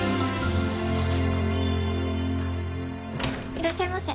いらっしゃいませ。